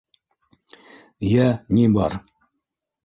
- Йә, ни бар.